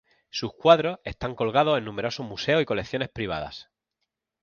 Sus cuadros están colgados en numerosos museos y colecciones privadas.